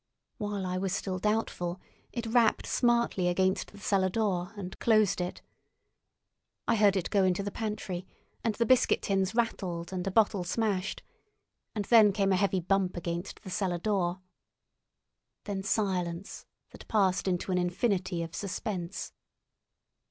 While I was still doubtful, it rapped smartly against the cellar door and closed it. I heard it go into the pantry, and the biscuit tins rattled and a bottle smashed, and then came a heavy bump against the cellar door. Then silence that passed into an infinity of suspense.